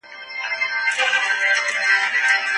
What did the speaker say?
په بديو کي د نجلۍ ورکول ناروا دي.